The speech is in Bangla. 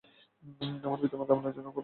আমার পিতামাতা আপনার জন্য কুরবান হোক।